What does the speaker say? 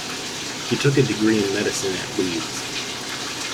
He took a degree in medicine at Leeds.